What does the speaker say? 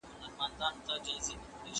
موږ باید د حقایقو په موندلو کې جدي اوسو.